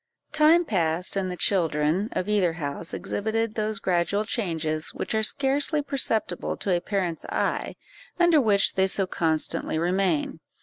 Time passed, and the children of either house exhibited those gradual changes which are scarcely perceptible to a parent's eye, under which they so constantly remain.